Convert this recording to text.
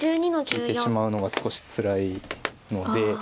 利いてしまうのが少しつらいので。